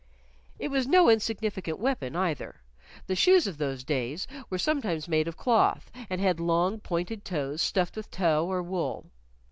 It was no insignificant weapon either. The shoes of those days were sometimes made of cloth, and had long pointed toes stuffed with tow or wool.